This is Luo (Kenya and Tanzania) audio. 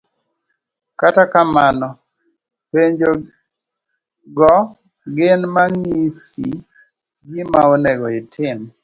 kata kamano, penjo go gin mang'isi gima onego itim.